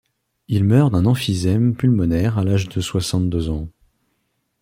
Il meurt d'un emphysème pulmonaire à l'âge de soixante-deux ans.